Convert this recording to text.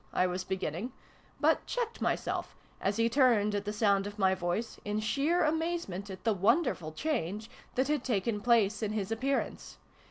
I was beginning, but checked myself, as he turned at the sound of my voice, in sheer amazement at the wonderful change that had taken place in his appearance.